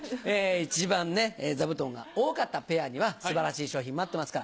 一番座布団が多かったペアには素晴らしい賞品待ってますから。